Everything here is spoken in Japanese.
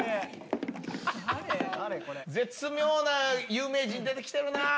絶妙な有名人出て来てるな！